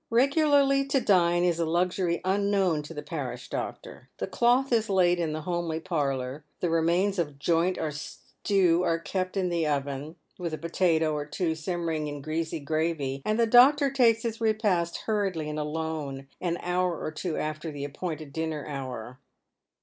Regularly to dine is a luxury unknown to the parish doctor. The cloth ia laid in the homely parlour, the remains of joint or stew are kept in the oven, with a potato or two simmering in greasy gravy, and the doctor takes his repast hurriedly and alone an hour ot two after the appointed dinner hour.